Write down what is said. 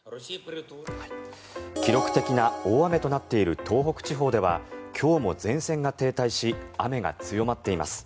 記録的な大雨となっている東北地方では今日も前線が停滞し雨が強まっています。